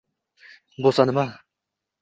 “…boʼsa nima?